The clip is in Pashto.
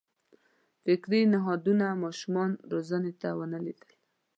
فکري نهادونو ماشوم روزنې ته ونه لېدل.